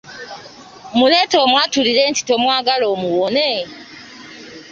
Muleeta omwatulire nti tomwagala omuwone?